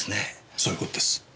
そういう事です。